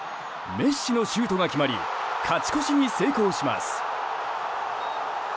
メッシのシュートが決まり勝ち越しに成功します。